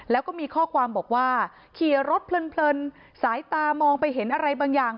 แล้วก็มีข้อความบอกว่าขี่รถเพลินสายตามองไปเห็นอะไรบางอย่าง